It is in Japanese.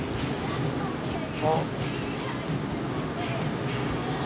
あっ。